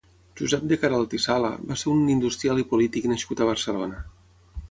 Josep de Caralt i Sala va ser un industrial i polític nascut a Barcelona.